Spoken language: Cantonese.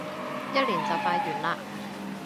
一年就快完嘞